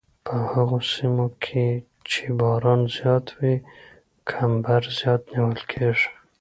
په هغو سیمو کې چې باران زیات وي کمبر زیات نیول کیږي